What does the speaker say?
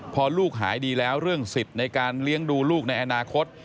พอลูกหายดีแล้วเรื่องสิทธิ์ในการเลี้ยงดูลูกในอนาคต